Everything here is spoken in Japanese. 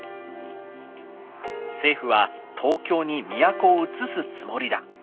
「政府は東京に都をうつすつもりだ。